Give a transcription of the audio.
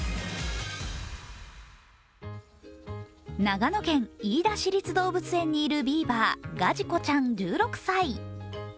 長野県、飯田市立動物園にいるビーバー、ガジコちゃん１６歳。